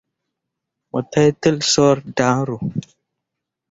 Mo teitel coor daaro.